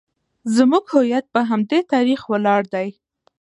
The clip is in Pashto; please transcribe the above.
زموږ هویت په همدې تاریخ ولاړ دی